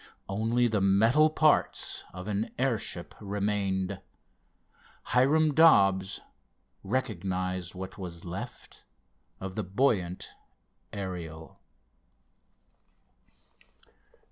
Only the metal parts of an airship remained. Hiram Dobbs recognized what was left of the buoyant Ariel!